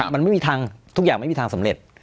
มันไม่มีทางทุกอย่างไม่มีทางสำเร็จ